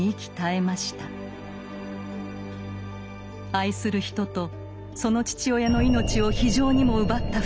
愛する人とその父親の命を非情にも奪った２人。